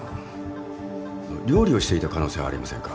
料理をしていた可能性はありませんか？